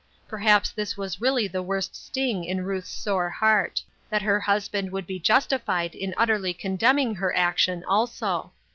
Perhaps this was really the worst sting in Ruth's sore heart ; that her husband would be justified in utterly con demning her action also.